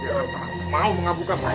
aku tidak mau mengabukkan bahwa kau